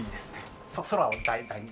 空を題材に。